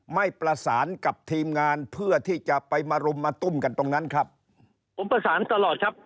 ไม่ประสานกับทีมงานเพื่อที่จะไปมารุมมาตุ้มกันตรงนั้นครับผมประสานตลอดครับ